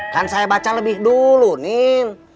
kan saya baca lebih dulu nih